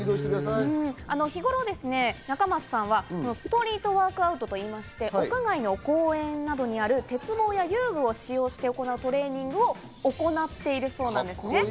日頃、仲舛さんはストリート・ワークアウトといいまして、屋外の公園などにある鉄棒や遊具を使用して行うトレーニングを行っているそうなんです。